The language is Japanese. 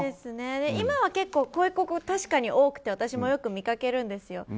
今はこういう広告確かに多くて私もよく見かけるんですよ。